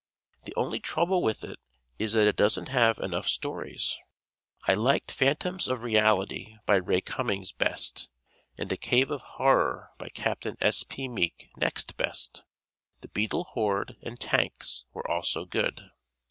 The only trouble with it is that it doesn't have enough stories. I liked "Phantoms of Reality," by Ray Cummings, best, and "The Cave of Horror," by Capt. S. P. Meek, next best. "The Beetle Horde," and "Tanks" were also good.